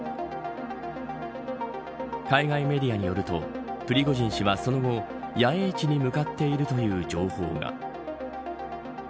海外メディアによるとプリゴジン氏は、その後野営地に向かっているという情報が。